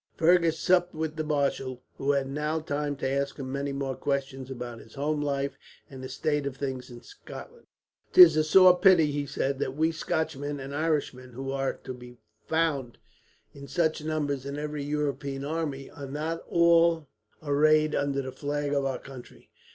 Fergus supped with the marshal, who had now time to ask him many more questions about his home life, and the state of things in Scotland. "'Tis a sore pity," he said, "that we Scotchmen and Irishmen, who are to be found in such numbers in every European army, are not all arrayed under the flag of our country.